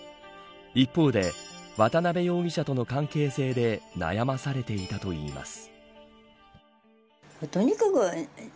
一方で、渡部容疑者との関係性で悩まされていたといいます。